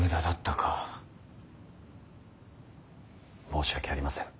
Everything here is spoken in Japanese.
申し訳ありません。